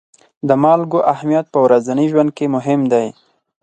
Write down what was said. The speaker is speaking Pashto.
د مالګو اهمیت په ورځني ژوند کې مهم دی.